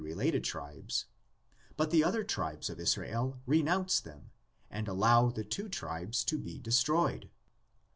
21 related tribes, but the other tribes of Israel renounce them and allow the two tribes to be destroyed.